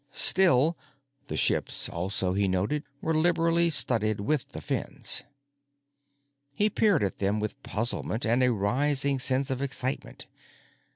Still—the ships also, he noticed, were liberally studded with the fins. He peered at them with puzzlement and a rising sense of excitement.